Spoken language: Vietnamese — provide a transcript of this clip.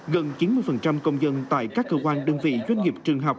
gần chín mươi công dân tại các cơ quan đơn vị doanh nghiệp trường học